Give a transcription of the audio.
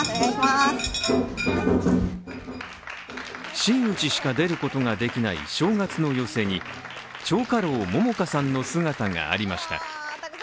真打ちしか出ることができない正月の寄席に蝶花楼桃花さんの姿がありました。